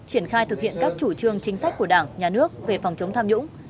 triển khai thực hiện các chủ trương chính sách của đảng nhà nước về phòng chống tham nhũng